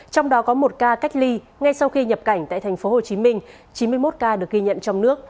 trong đó có một ca cách ly ngay sau khi nhập cảnh tại tp hcm chín mươi một ca được ghi nhận trong nước